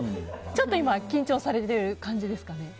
ちょっと今緊張されてる感じですかね？